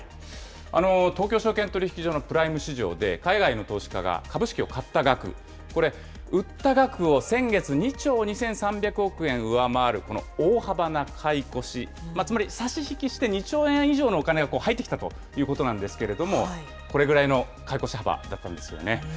東京証券取引所のプライム市場で、海外の投資家が株式を買った額、これ、売った額を先月、２兆２３００億円上回る大幅な買い越し、つまり差し引きして２兆円以上のお金が入ってきたということなんですけれども、これぐらいの買い越し幅だったんですよね。